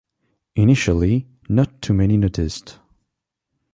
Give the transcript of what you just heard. Initially, not too many noticed.